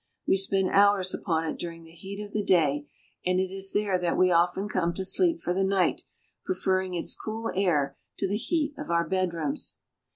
We spend hours upon it during the heat of the day, and it is there that we often come to sleep for the night, prefer ring its cool air to the heat of our bedrooms.